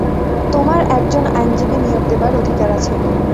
তোমার একজন আইনজীবী নিয়োগ দেবার অধিকার আছে।